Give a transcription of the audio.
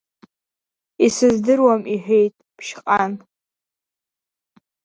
Исыздыруам, — иҳәеит Ԥшьҟан.